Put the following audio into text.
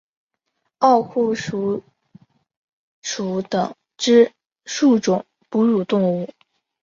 奥库鼠属等之数种哺乳动物。